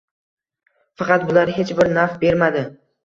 faqat bular hech bir naf bermadi.